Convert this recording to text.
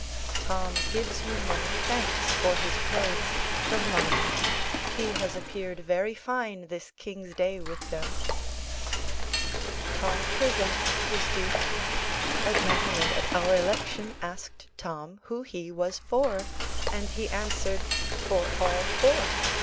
Tom gives you many thanks for his clothes (from London). He has appeared very fine this King's day with them. Tom presents his duty. A gentleman at our election asked Tom who hee was for? and he answered, "For all four."